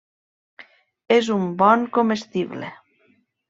És un bon comestible.